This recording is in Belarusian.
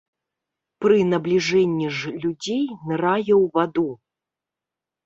Пры набліжэнні ж людзей нырае ў ваду.